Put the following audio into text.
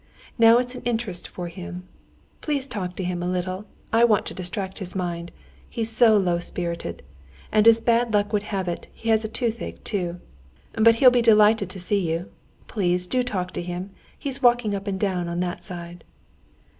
Now it's an interest for him. Do please talk to him a little. I want to distract his mind. He's so low spirited. And as bad luck would have it, he has toothache too. But he'll be delighted to see you. Please do talk to him; he's walking up and down on that side."